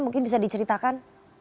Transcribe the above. mungkin bisa diceritakan